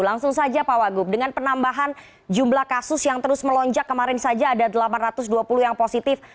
langsung saja pak wagub dengan penambahan jumlah kasus yang terus melonjak kemarin saja ada delapan ratus dua puluh yang positif